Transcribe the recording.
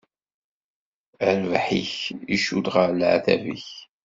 Rrbeḥ-ik icudd ɣer leɛtab-ik.